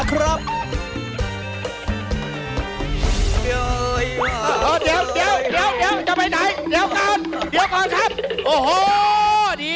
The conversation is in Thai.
พร้อมด